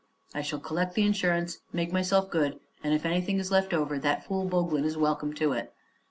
I shall collect the insurance, make myself good, and if anything's left over, that fool Boglin is welcome to it.